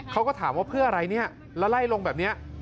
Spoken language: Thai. เขาก็ถามว่าเพื่ออะไรเนี่ยแล้วไล่ลงแบบนี้